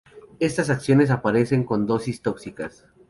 Estas acciones aparecen con dosis tóxicas.